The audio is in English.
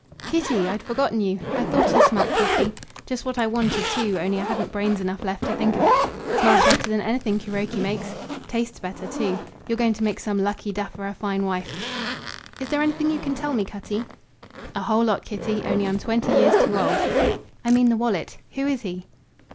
"Kitty? I'd forgotten you! I thought I smelt coffee. Just what I wanted, too, only I hadn't brains enough left to think of it. Smells better than anything Kuroki makes.... Tastes better, too. You're going to make some lucky duffer a fine wife." "Is there anything you can tell me, Cutty?" "A whole lot, Kitty; only I'm twenty years too old." "I mean the wallet. Who is he?"